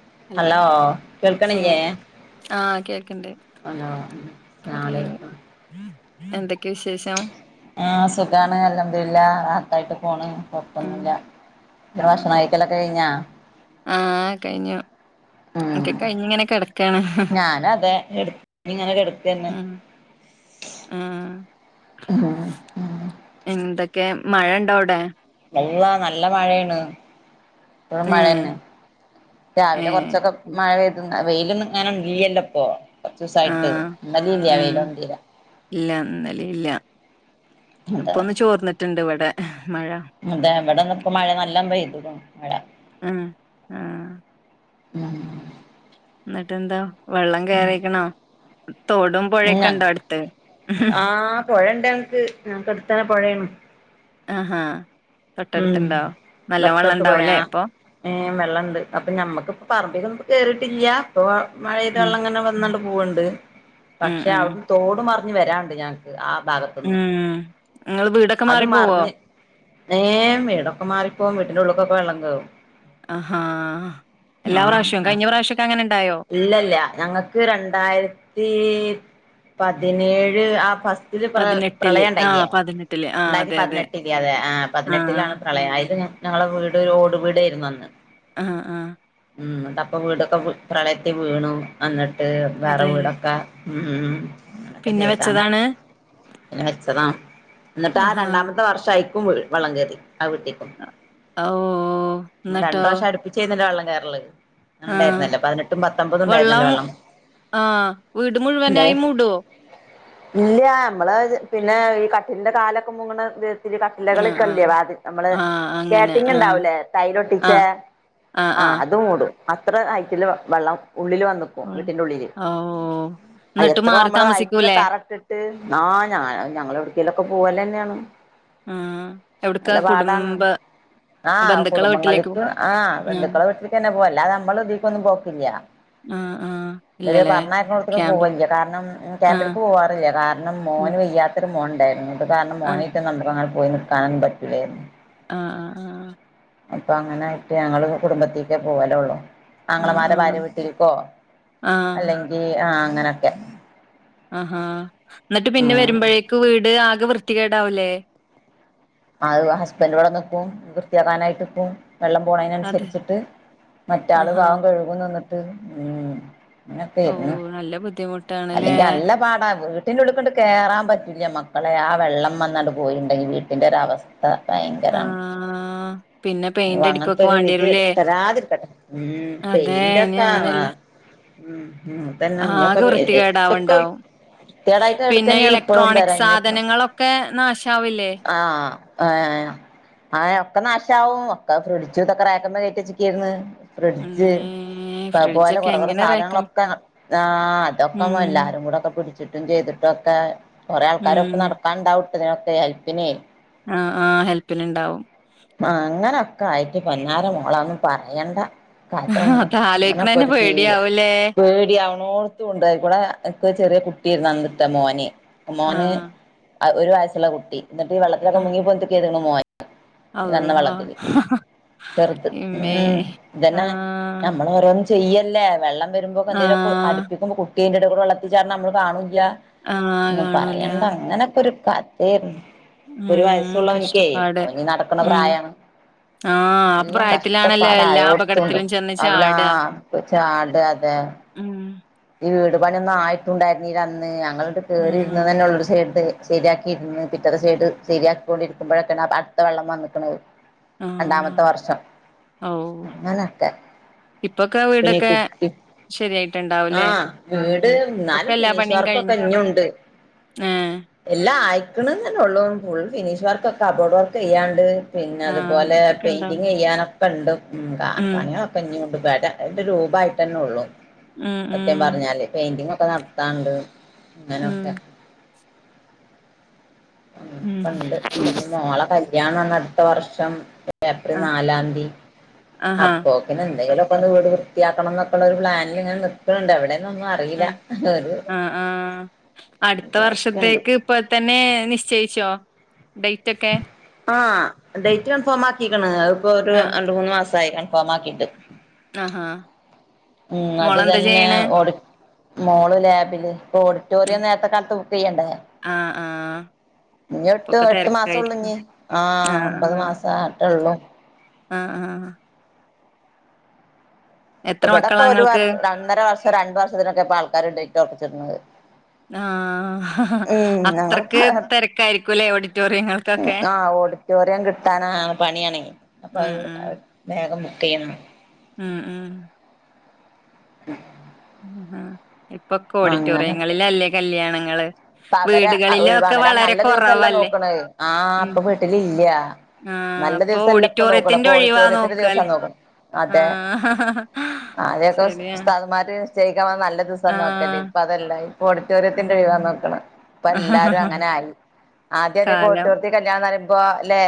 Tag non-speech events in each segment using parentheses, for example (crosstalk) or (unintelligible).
Hello കേൾക്കണില്ല് പരം ആഹ ഒന്ന് ബസ്സ് ആഹ് പോയിന്റ്. ആ... ആഹ് കേക്കണ്ടേ പറയ. അസ്സലാമലൈക്കും എന്തൊക്കെ വിശേഷം. ആഹ് സുഖാണ് അൽഹംദുലില്ലാ റാഹത്തായിട്ട് പോണ്. ഉം കുഴപ്പൊന്നുമില്ല ഇ ഉം ഭക്ഷണം കഴിക്കലൊക്കെ കഴിഞ്ഞാ ആഹ് കഴിഞ്ഞു ഉം ഒക്കെ കഴിഞ്ഞ് ഇങ്ങനെ കിടക്കാ ഞാനും അതെ എടു ഇങ്ങനെ കേടക്കുന്നെ. ഉം ആഹ് ഉം എന്തൊക്കെ മഴ ഉണ്ടോ അവിടെ. അള്ളാ നല്ല മഴയാണ്. മഴ ഏഹ് തന്നെ രാവിലെ ഏഹ് കുറച്ചൊക്കെ മഴ പെയ്തു. വെയിലൊന്നും ഇങ്ങനെ ഇല്ല്യലോ ഇപ്പോ. ആഹ് ഉം തീരെ ഇല്ല ഇന്നലെ ഇല്ല. അതെ ഇപ്പൊന്ന് ചോർന്നിട്ടുണ്ട് ഇവിടെ. മഴ അതെ വടെ ഇപ്പ മഴ നല്ലോ. പെയ്തുകുണുമഴ ഉം ആഹ. അഹ എന്നിട്ട്ന്താ വെള്ളം കേയറിക്കണോ തോടും പുഴയൊക്കെ ഇണ്ടോ അടുത്ത്. ആഹ പൊഴണ്ട് എനക്ക് നക്ക് അടുത്താന്നെപുഴയാണ്. ആഹാ തൊട്ടടുത്ത് ഉം ണ്ടാവോ നല്ല വെള്ളം ഉണ്ടാവുംല്ലേ ഇപ്പൊ. ള്ളംണ്അപ്പൊ നമ്മക്പറിൽ കേട്ടില്ല ഇപ്പ മഴപെയ്ത ഉം വള്ളംങ്ങനെ വന്ന്. ണ്ട് ഉം പക്ഷെ ഉം അവിടു ന്ന്തോട് മറിഞ്ഞ് വരാണ്ട് ഞങ്ങൾക്ക് ആ ഉം ഭാഗത്ത്ന്ന് നിങ്ങൾ വീടൊക്കെ മാറിപ്പോവോ. ഏവീടൊക്കെ മാറിപ്പോവും വീടിന്റെ ഉള്ളിലേക്കൊക്കെ വെള്ളം കേവും. ആഹാ എല്ലാ പ്രാവശ്യവും കഴിഞ്ഞ പ്രാവശ്യൊക്കെ അങ്ങനെ ഇണ്ടായോ? ആഹഇല്ലല്ല ഞങ്ങക്ക് രണ്ടായിര.. ത്തിപതിനേഴ് ആ ഫസ്റ്റില് പ്ര പതിനെട്ടില് പ്രളയം ആഹ് ഉണ്ടായില്ലേ. പതിനെട്ടില് ആഹ് രണ്ടായിരത്തി അതെ അതെ പതിനെട്ടില് അതെ ആ് ആഹ് ആഹ് പതിനെട്ടിലാണ് പ്രളയം അത് ഞങ്ങളെ വീട് ഓട് വീടായിരുന്നു അന്ന്. ആഹ ആഹ ഉം അതപ്പ വീടൊക്കെ പ്രളയത്തിൽ വീണു അന്നിട്ടവേറെ അതെ വീടൊക്കെ. ഉം ഉം അങ്ങനൊക്കെ പിന്നെ ചെയ്താണ് വെച്ചതാണ്. പിന്നെ വെച്ചതാ എന്നിട്ട് ആ ആഹാ രണ്ടാമത്തെ വർഷം ആയിക്കും വളള കേറി. ആ വീട്ടിക്കും ഓഹ് രണ്ട ന്നട്ടോ വഷം അടുപ്പിചേന്നല്ലോ വെള്ളം കേയറൽ ആഹ് ഉണ്ടായിരുന്നല്ലോ പതിനെട്ടും പത്തൊമ്പതും ഉണ്ടായിരുന്നല്ലോ വെള്ളം ആഹ വീട് ഇല്ലേ മുഴുവനായി മൂഡോ ഇല്ല നമ്മള് പിന്നെ ഈ കട്ടിന്റെ കാലൊക്കെ മുങ്ങണ് ആഹ് ആഹ് നമ്മള് ആഹ് അങ്ങനെ സ്കേറ്റിങ് ആഹ് ഉണ്ടാവൂലേ ടൈലോട്ടിച്ചേ ആഹ് ആഹ് അതു മൂടും അത്ര ആയിറ്റിൽ വെള്ളം ഉള്ളിൽ വന്നു വീട്ടിന്റെ ഉള്ളിൽ ഓഹ് ആ ന്നട്ട് എത്ര മാറി ഹൈറ്റിൽ താമസിക്കൂലേ? തറയിട്ടിട്ട്,,,,, ഞങ്ങളെ എവിടേക്കെങ്കിലും പൂവലന്നെണോ അ എവിടക്ക കുടുംബ ആഹ ബന്ധുക്കളെ വീട്ടിലേക്കോ? കുടുംബങ്ങളേക്കും ആ ബന്ധുക്കളെ വീട്ടിലേക്ക്ന്നെ പോവല്ല അത് നമ്മൾ ഇതിക്കൊന്നും പോക്കില്ല ആ, ആ. ബലെ ഇല്ലല്ലേ? പറഞ്ഞയക്ക് നോടത് ക് ക്യാമ്പ്. പോവില്ല കാരണം ആ. ക്യാമ്പിലക്ക് പോവാറില്ല കാരണം ആ. മോന.. ന് വയ്യാത്തരു മോൻണ്ടായിരുന്നു ഇത് കാരണം ആ. അങ്ങെ പോയി നിൽക്കാനും പറ്റില്ലായിരുന്നു. ആഹ ആഹ് ആഹ അപ്പൊ അങ്ങനൊയിട്ട് ഞങ്ങള് കുടുംബത്തേക്ക പോവലോള്ളു. ആ. ആ. ആംഗളമാരെ ഭാര്യ വീട്ടിലിക്കോ ആ. ആ. അല്ലെങ്കി ആ അങ്ങനെയൊക്കെ. ആഹാ എന്നിട്ട് പിന്നെ വരുമ്പോഴേക്ക് വീട് ആകെ വൃത്തികേടാവൂല്ലേ. അ ഹസ്ബൻഡേഇവിടെ നിക്കും വൃത്തിയാക്കാനായിട്ട് നിക്കും. വെള്ളം അതെ. പോണന്നുസരിച്ചിട്ട് മറ്റാള് ആഹാ. പാവം കഴുകുംനിന്നിട്ട് ഉം അങനെപ്പെരുന്നു ഓഹ്! നല്ല ബുദ്ധിമുട്ടാണല്ലേ? അല്ലെങ്കി നല്ല പാടാ വിടിന്റെ ഉള്ളിക്കൊണ്ട് കേറാൻ പറ്റില്ല മക്കളെ ആ വെള്ളം വന്നാണ്ട് പോയിട്ടുണ്ടെങ്കിൽ വീട്ടിന്റെ ഒരവ സ്ഥ ആ. ഭയങ്കരാണ് പിന്നെ പെയിന്റ് അടിക്കൊക്കെ അങ്ങനത്തോരു വിധി വാണ്ടിവരൂല്ലേ? തരാതിരിക്കട്ടെ ഉം. ഉം അതെ. പെയിന്റൊ ഇനി ആഹ് അങ്ങനെയല്ല ആഹ് ഉം ഉം അതന്നെ ഇയാക്കെ ആകെ ഏ ഏ വൃത്തികേടാവണ്ടാവും. (unintelligible) കെടായിട്ട് പിന്നെ കേടാക്കാന്നെ ആണ് ഇപ്പഴും ഇലക്ട്രോണിക് വെരാങ്ങ സാധനങ്ങളൊക്കെ നാശാവില്ലേ? ആഹ് ആഹ് ഏഹ് ആയ ഒക്കെ നാശവും ഒക്കെ ഫ്രിഡിജ് ഇതൊക്കെ റാക്ക് മേ കെറ്റി വച്ചേകായിരുന്നു ഫ്രിഡിജ് അമ്മേ! ഇപ്പപോലെ ഫ്രിഡ്ജൊക്കെ കുറെ കുറെ എങ്ങനെ റേക്കം സാധനങ്ങളൊക്കെ ആഹ് അതൊക്കെ മ്മ്. എല്ലാരും കൂടടൊക്കെ പിടി ച്ചിട്ടും ചെയ്തിട്ടു ഒക്കെ കൊറേ ആൾക്കാരൊക്കെ മ്മ്. നടത്തണ്ടാവട്ടതിനൊക്കെ ഹെൽപ്പിനെ ആഹ് ആഹ് ഹെൽപ്പിനിണ്ടാവും. കയിട്ടു പനാറ് മോളാ ഒന്നും പറയണ്ട. കഥോന്നും അത് അങ്ങനൊക്കെ ആലോയിക്കണന്നെ ഒരു ജീവി പേടിയാവൂലേ പേടി അവണോർത്ത് കൊണ്ടയിക്കൂടെ അപ്പ ചെറിയ കുട്ടിയായിരുന്നു ആന്ന്ട്ട് മോന് മോന് ആഹ് ഒരു വയസ്സുള്ള കുട്ടി. എന്നിട്ട് വള്ളത്തിലൊക്കെ മുങ്ങി പൊന്തിക്കിരുന്നു. ആള്ളാ ചെറുത് ഉം ഇതന്നെ ആഹ് നമ്മൾ ഓരോന്ന് ചെയ്യല്ലേ വെള്ളം വരുമ്പൊക്ക എന്തേലുക്കോ ആഹ് അടുപ്പിക്കുമ്പോ കുട്ടിയതിന്റെ എടെക്കൂടെ വള്ളത്തിൽ ചേടണത് നമ്മള് കാണ ല്ല ആഹ് ഒന്നും കാണൂല പറയണ്ടങ്ങനൊക്കെ ഒരു കഥയാരുന്നു. ഇപ്പൊ ഒരു ഉം വയസ്സുള്ളവനിക്കേ കഷ്ടപ്പാട് അവനീ നടക്കുന്ന ഉം പ്രായമാണ് ആഹ് ആ എല്ലാം പ്രായത്തിലാണല്ലോ എല്ലാ കഷ്ടപ്പാടായോർത്തണ്ട് അപകടത്തിലും ചെന്ന് അവല ചാടാ കൊച്ചാട അതെ ഉം ഈ വീട് പണിയൊന്നും ആയിട്ടുണ്ടായിരുന്നീല്ല. അന്ന് ഞങ്ങളട്ട് കേറിയിരുന്നത് ആഹ് ന്നെ ഉള്ള് സേഡ് ശരിയാക്കിയിന്ന് പിറ്റത്തെ സൈഡ് ശരിയാക്കൊണ്ടിരിക്കുമ്പോഴൊക്കെയാണ് അടുത്ത വെള്ളം വന്നക്കണത്. രണ്ടാമത്തെ ആഹ് വർഷം. ഔ അങ്ങനൊക്കെ ഇപ്പൊക്കെ ആ പിന്നെ വീടൊക്കെ കുട്ടി ശരിയായിട്ടുണ്ട ആഹ് വീട് എന്നാലും ഫിനിഷ് പണിയും വർക്കൊക്കെ കഴിഞ്ഞു ഇനിയുണ്ട് ഏഹ് എല്ലാം ആയക്കണെള്ളൂ ഫുൾ ഫിനിഷ് വർക്കൊക്കെ കബോർഡ് വർക്ക് ചെയ്യാണ്ട് ആഹ് പിന്നതുപോലെ അങ്ങനത്തൊക്കെ ഉണ്ടാവും പെയിന്റിങ് ചെയ്യാനൊക്കെ ഉണ്ട്. ആഹ് ഉം പണികളൊക്കെ ഇഞ്ഞി ഉണ്ട്. രണ്ട് റൂമായിട്ടെന്നെ ഉള്ളൂ ഉം സത്യം ഉം പറഞ്ഞാല് പെയിന്റിങ് ഒക്കെ നടത്താനൊണ്ട് ഉം അങ്ങനൊക്കെ ഉം ഉണ്ട് പിന്നെ മോള കല്യാ ഞാ വന്ന അടുത്ത വർഷം ഏപ്രിൽ ആഹ്. നാലാം തീയതി ആഹാ. അപ്പോക്കിന് എന്തെങ്കിലും. ഇപ്പൊന്ന് വീട് വൃത്തിയാക്കണം എന്നൊക്കുള്ള ഒരു പ്ലാനിങ്ങിൽ നിൽക്കുന്നുണ്ട് അവിടെ ഉം ആഹ് ആഹ് അടുത്ത വിചാരിക്കണ്ട് വർഷത്തേക്ക് ഇപ്പ തന്നെ നിശ്ചയി ച്ചോ. ആഹ് ഡേറ്റ് കൺഫോമാക്കിരിക്കണ്. അത് ഇപ്പൊ ഒരു ആഹ്. രണ്ട് മൂന്ന് മാസ ആയി കാണും (unintelligible) ആഹാ. ഉം അത് മോളെന്താ തന്നെ ചെയ്യണ്? മോള് ലാബില്. ഇപ്പൊ ഓഡിറ്റോറിയം നേരത്തെ കാലത്ത് ബുക്ക് ചെയ്യണ്ടേ ആഹ് ആഹ് ഇനി എട്ട് ഇപ്പൊക്കെ എട്ട് മാസള്ളു തെരക്കായിരിക്കും. ഇഞി ആഹ് ഒമ്പത് മാസറ്റെ ഉള്ളു ആഹ് ആഹ് ഇപ്പ എത്ര ബാടൊക്കെ മക്കളാ ഒരു വർ ഇങ്ങൾക്ക്? ഒന്നര വർഷം രണ്ട് വർഷത്തിനൊക്കെ ഇപ്പൊ ആൾക്കാർ ഡേറ്റ് ഒർപ്പിച്ച്ട്ണത്. ആഹ് അത്രക്ക് ഞങ്ങളിപ്പോ തെര്ക്കായിരിക്കുംല്ലേ ഓഡിറ്റോറിയങ്ങൾക്കക്കെ. ആഹ് ഓഡിറ്റോറിയം കിട്ടാനാ പണിയാണെ. അപ്പൊ ഉം അത് ഉം. വേഗം ബുക്കെയ്യണം. ഉം ഉം ഉം ഇപ്പൊക്കെ ഓഡിറ്റോറിയങ്ങളിലല്ലേ കല്യാണങ്ങള്? അപ്പ അവര് വീടുകളിലൊക്കെ ഒഴിവാണല്ല വളരെ നല്ല ദിവസല്ല കൊറവല്ലേ? നോക്കണ്. ആഹ് ഉം ഇപ്പൊ വീട്ടില് ഇല്ല. ആഹ് നല്ല അപ്പൊ ദിവസം അ ല്ല ഇപ്പൊ നോക്കണ് ഓഡിറ്റോറിയത്തിന്റെ ഇപ്പൊ ഒഴിവാ ഓഡിറ്റോറിയത്തിന്റെ ദിവസാ നോക്കല്ലേ നോക്ക്ണ്. അതെ? ആഹ് ആ അതൊക്കെ ശരിയാ ഉസ്ഥാദ്മാര് നല്ല ദീസം നോക്കല്ലേ ആഹ് ഇപ്പൊ അതല്ല ഇപ്പ ഓഡിറ്റോറിയത്തിന്റെ ഒഴിവാ നോക്ക ഇപ്പൊ എല്ലാരും ആഹ് അങ്ങനെ ആയി ആദ്യകൊ കാലം ഓഡിറ്റോറിയത്തിൽ കല്യാണംന്ന് പറയുമ്പോ അല്ലെ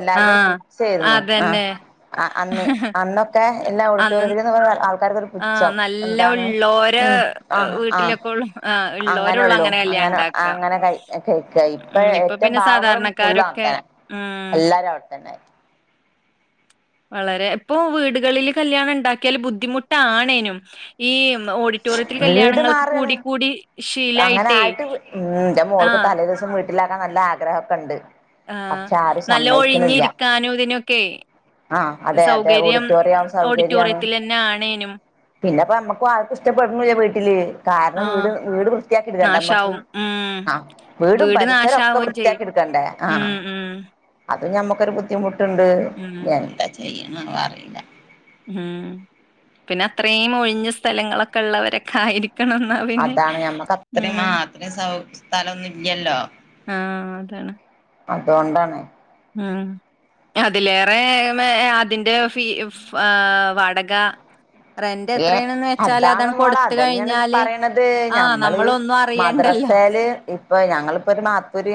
എല്ലർക്കും ഒരു ആഹ് പുച്ഛായായിരുന്നു അതന്നെ ആ അന്ന് അന്നൊക്കെ എല്ലാ അന്ന് ഓഡിറ്റോറിയത്തിലെത് ആൾക്കാർക്കൊരു ആഹ് പുച്ഛം നല്ല എന്താണ് ഉള്ളോരെ ഉ ആ ഏഹ്, ആ വീട്ടിലൊക്കെ ഉള്ളു ആഹ് ഉള്ളോരുള്ളൂ അങ്ങനെള്ളൂ കല്യാണം അങ്ങനെ ഉണ്ടാക്കുക അങ്ങനെ ക കഴിക്ക ഇപ്പ ഉം ഇപ്പൊ ഏറ്റവും പിന്നെ പാവങ്ങളും ഫുള്ളും സാധാരണക്കാരൊക്കെ അങ്ങനെ ഉം എല്ലാരും അവിടെത്തന്നെ വളരെ ഇപ്പൊ വീടുകളില് കല്യാണം ഇണ്ടാക്കിയാല് ബുദ്ധിമുട്ടാണേനും ഈ ഓഡിറ്റോറിയത്തിൽ വീട് കല്യാണങ്ങൾക്ക് കൂടി നാറാണ് കൂടി അങ്ങനെ ശീലായിട്ടേ ആയിട്ട് ന്റെ മോൾക്ക് ആഹ് തലേ ദിവസം വീട്ടിലാക്കാൻ നല്ല ആഗ്രഹൊക്കെണ്ട് ആ നല്ല ഒഴിഞ്ഞിരിക്കാനും ഇതിനൊക്കെ ആ അതെ അതെ സൗകര്യം ഓഡിറ്റോറിയം സൗകര്യാണ് ഓഡിറ്റോറിയത്തിലെന്നെ ആണേനും പിന്നെ അപ്പ നമ്മുക്ക് ആർക്കും ഇഷ്ടപ്പെടുന്നില്ല വീട്ടില് കാരണം വീട് ആഹ് വീട് വൃ വൃത്തിയാക്കി എടുക്കണ്ടേ നമ്മക്ക് നാശാവും ഉം ആ വീടും വീട് പരിസരം ഒക്കെ നാശാവും ചെയ്യും വൃത്തിയാക്കി എടുക്കണ്ടേ ആ ഉം ഉം അത് ഞമ്മക്കൊരു ബുദ്ധിമുട്ടുണ്ട് ഉം എന്താ ചെയ്യണംന്നത് അറിയില്ല ഉം പിന്നെ അത്രയും ഒഴിഞ്ഞ സ്ഥലങ്ങളൊക്കെ ഉള്ളവരൊക്കെ ആയിരിക്കും അതാണ് ഞമ്മക്ക് അത്രയും മാത്രമം സൗ സ്ഥലമൊന്നുമില്ലല്ലോ ആ അതാണ് അതുകൊണ്ടാണ് ഉം അതിലേറെ ഏ അതിന്റെ ഫീ വാടക റെന്റ് ഏ എത്രയണന്ന് വെച്ചാല് അതാണ് മോള കൊടുത്ത അതന്നെയാണ് കഴിഞ്ഞാല് പറയണത് ആ നമ്മളൊന്നും അറിയെണ്ടല്ലോ എല് ഇപ്പൊ ഞങ്ങളിപൊരു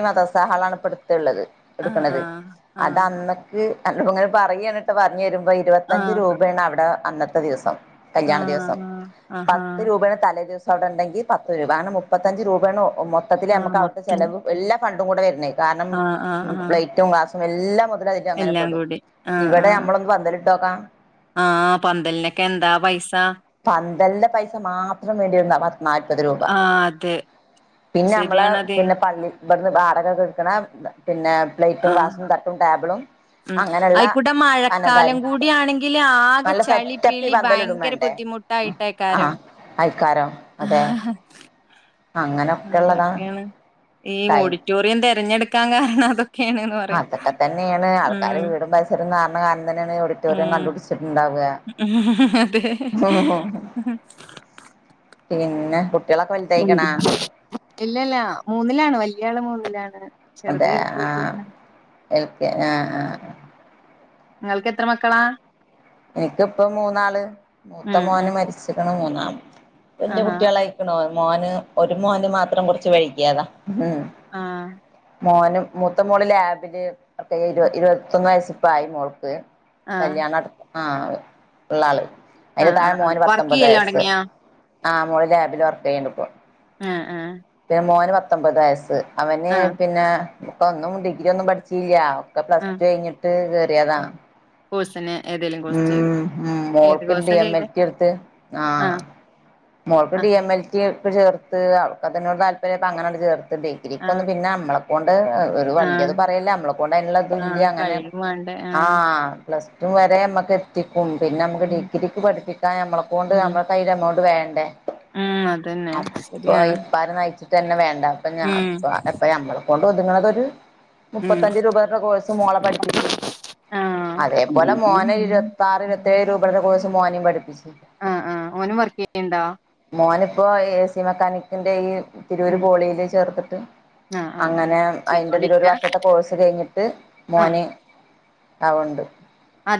മാസ സഹളാണ് ഇപ്പോ അടുത്ത ഉള്ളത് ആഹ് എടുക്കണത് ആഹ് ആഹ് അതന്നക്ക് അ ഇങ്ങനെ പറയുക എന്നിട്ട് പറഞ്ഞഞ് വരുമ്പോ ഇരുപത്തഞ്ച് ആഹ് രൂപയാണ് അവിടെ അന്നത്തെ ദിവസം ആ ആ കല്യാണ ദിവസം ആഹാ പത്ത് രൂപയുടെ തലേ ദിവസം അവിടെ ഉണ്ടെങ്കിൽ പത്ത് രൂപ കാരണം മുപ്പത്തഞ്ച് രൂപയാണ് മൊത്തത്തില് ആ നമുക്ക് അവിടുത്തെ മൊത്തം ചിലവ് എല്ലാ ഫണ്ടും കൂടെ വരുന്നത് കാരണം ആ ആ ആ പ്ലേറ്റും ഗ്ലാസും എല്ലാം ഒ (inaudible) അങ്ങനെ എല്ലാം പെടും കൂടി ആ ആ ഇവിടെ നമ്മളൊന്ന് പന്തലിട്ടോക്കാ ആ പന്തലിനൊക്കെ എന്താ പൈസ പന്തലിന്റെ പൈസ മാത്രം വേണ്ടിരുന്ന പത്ത് നാല്പത് രൂപ ആ അതെ പിന്നെ നമ്മളെ ശരിയാണതെ പിന്നെ പള്ളി ഇവിടുന്ന് വാടക തീർക്കണം പിന്നെ പ്ലേറ്റും ഗാസും തട്ടും ടേബിളും ഉ അങ്ങനെയുള്ള ആയിക്കൂടെ മഴക്കാലം അനതാരും കൂടിയാണെങ്കിൽ ആകെ നല്ല ചളി സെറ്റപ്പി പിളി പന്തലിടും ഭയങ്കര ബുദ്ധിമുട്ട് ട്ടായിട്ടേക്കാരം ക്കാരം അതെ അങ്ങനൊക്കെ ഉള്ളതാണ് അതൊക്കെയാണ് ഈ ടൈം ഓഡിറ്റോറിയം തിരഞ്ഞെടുക്കാൻ കാരണം അതോ എണീന്നു പറയും അതൊക്കെ തന്നെയാണ് ആൾക്കാര് ഉം വീടും പരിസരം നാറണ കാരണം ഓഡിറ്റോറിയം ഉം കണ്ടുപിടിച്ചിട്ടുണ്ടാവുക അതെ പിന്നെ കുട്ടികളൊക്കെ വലുതായിക്കണാ ഇല്ലല്ല മൂന്നിലാണ് വല്യാള് മൂന്നിലാണ് ചെറുത് അതെ യു കെ ജി ആഹ ആണ് എക്ക് ആഹ് ആ നിങ്ങൾക്ക് എത്ര മക്കളാ എനിക്കിപ്പ മൂന്നാള് മൂത്ത ഉം ഉം മോന് മരിച്ചിരിക്കണ് മൂന്നാള് വല്ല്യ ആഹാ കുട്ടികളായിക്കണോ മോന് ഒരു മോന് മാത്രം കുറച്ച് വൈ കിയതാ ആ മോനും മൂത്ത മോൾ ലാബില് ഒക്കെ ഇരു ഇരുപത്തൊന്ന് വയസ്സിപ്പോ ആയി മോൾക്ക് ആഹ് കല്യാണ അടുത്ത ആഹ ഉള്ളാള് അതിന്റെ ആഹ് താഴെ ആഹ് ആഹ് മോന് വർക്ക് പത്തൊമ്പത് ചെയ്യല് വയസ്സ് തൊടങ്ങിയോ ആ മോള ലാബില് വർക്ക് ചെയ്യണ്ടിപ്പോ ഏഹ് ഏഹ് മോന് പത്തൊമ്പത് വയസ്സ് അവന് പിന്നെ (unintelligible) ഡിഗ്രി ഒന്നും പഠിച്ചില്യ. ക്കെ പ്ലസ്ടു കഴ്ഞ്ഞിട്ട് കേറിയതാ. കോഴ്സ്ന് ഉം ഉം മോൾക്ക് കോഴ്സാ ചെയ്തേ ഡിഎംഎൽറ്റി ഇട്ത്ത് ആഹ് മോൾക്ക് ഡി ആഹ് എം എൽ ടി പ്പ ചേർത്ത് അവക്ക് അതിനോട് താല്പര്യം പ്പ അങ്ങനാണ്ട് ചേർ ഡിഗ്രിക്കൊന്നും ആഹ് പിന്നെ അമ്മളെ ക്കൊണ്ട് ഒരു വല്യത് ആഹ് പറയല്ല അമ്മളെക്കണ്ട് അയിനുള്ള തും ഇല്ല്യ. ആഹ് അങ്ങനെ കഴിയും വേണ്ടേ ആ ആഹ് പ്ല റ്റും വരെ അമ്മക്ക് എത്തിക്കും. പിന്നെ അമ്മക്ക് ഉം ഡിഗ്രിക്ക് പഠിപ്പിക്കാ നമ്മളെക്കൊണ്ട് ഉം നമ്മളെ കൈയില് എമൗണ്ട് വേ ഉം അതന്നെ അപ്പൊ ശരിയാണ് ഇപ്പാര് നയിച്ചി ട്ടെന്നെ വേണ്ട അപ്പൊ ഞാ ഉം അപ്പ ഞമ്മളേ കൊണ്ട് ഒത്ങ്ങണതൊരു ഉം മുപ്പത്തഞ്ച് രൂപേടെ കോഴ്സ് മോളെ പഠിപ്പിച്ച്. ആഹ് അതേപോലെ മോനെ ഇരുവത്താറ് ഇര്വത്തേഴ് രൂപടെ കോഴ്സ് മോനിം പഠിപ്പിച്ച്. ആഹ് ആഹ് ഓനും വർക്കെ ഓന്പ്പോ എ സി മെക്കാനിക്കിന്റെ ഈ തിരൂര് ഉം പോളിയില് ചേർത്തിട്ട് ആഹ് ആഹ് ആഹ് അങ്ങനെ അയിന്റെ ഇതില് ഒരു ചെയ്തോണ്ടിരിക്ക വർഷത്തെ കോഴ്സ് കഴിഞ്ഞിട്ട് ആഹ് മോനെ ആ ഒണ്ട്.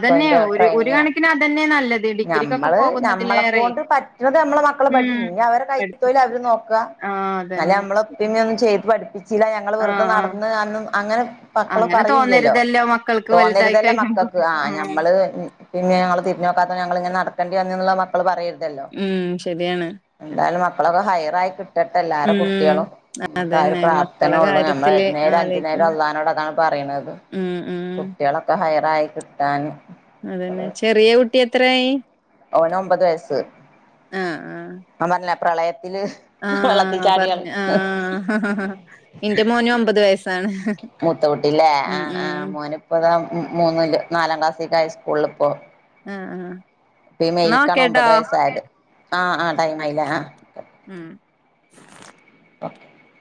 ഇപ്പോ അയിന്റെ ഒരു ഒരു ട്രൈനിങ്ങിലാ കണക്കിന് അതന്നെ നല്ലത് ഡിഗ്രിക്കൊക്കെ നമ്മള് നമ്മളെ പോകുന്നതിലേറെ കൊണ്ട് പ റ്റുന്നത് നമ്മെ മക്കളെ പഠിപ്പിച്ചു ഉം ഇനി അവരുടെ കഴിവ് പഠിപ്പി പോലെ അവര് നോക്കുക ആഹ് എന്നല്ല അതന്നെ നമ്മള് ഇപ്പോ ഇനിയൊന്നും ചെയ്ത് പഠിപ്പി പ്പിച്ചില്ല ഞങ്ങള് വെറുതെ ആഹ് ആഹ് നടന്ന് അങ്ങനെ മക്കള് അങ്ങനെ പറയൂല്ലല്ലോ തോന്നരുതല്ലോ മക്കൾക്ക് വലുതായി തോന്നരുതല്ലോ മക്കൾ കഴിയുമ്പോ ക്ക് ആ ആഹ് ഞമ്മള് പിന്നെ ഞങ്ങള് തിരിഞ്ഞ് നോക്കാത്ത ഞങ്ങളിങ്ങനെ നടക്കേണ്ടി വന്നേ എന്നുള്ളത് മക്കള് പറയരുതല്ലോ ഉം ശരിയാണ് മക്കളൊക്ക ഹയറായിട്ട് കിട്ടട്ടെ എല്ലാരും ഉം കുട്ടികളും നമുക്ക് ഒരു അതന്നെ മക്കളെ പ്രാർഥനയേയുള്ളൂ നമ്മൾ കാര്യത്തില് നേരം അഞ്ചു നേരം ആലോയിക്കും അള്ളാനോട് അതാണ് പറ യണത് ഉം ഉം കുട്ടികളൊക്കെ ഹൈറായി കിട്ടാന് അത് തന്നെ ചെറിയ കുട്ടി എത്രയായി ഓന് ഒമ്പത് വയസ്സ് ആഹ് ആഹ് ഞാൻ പറഞ്ഞില്ലേ പ്രളയ ആഹ് പറഞ്ഞു ആഹ് എന്റെ മോനും ഒമ്പത് വയസ്സാണ്. മൂത്ത കുട്ടിയല്ലേ ആ ഉം ആ ഉം മോന് ഇപ്പളാ മൂന്നില് നാലാം ക്ലാസ്സിൽ ഹൈസ്കൂളിൽ ഇപ്പോ ആഹ് ആഹ് പിന്നേ ന്നാ ഇവൽക്കാണ് ഓക്കേട്ടോ ഒമ്പത് വയസ്സായത് ആഹ് ആഹ് ടൈമ് ആയില്ലേ ആ കാക്കെ ഉം ഓണാക്കേ